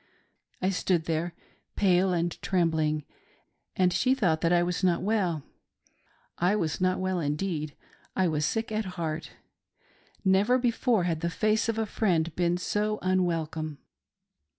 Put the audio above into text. I stood there, pale and trembling, and she thought that I was not well ;— I was not indeed well — I was sick at heart. Never before had the face of a friend been so unwelcome.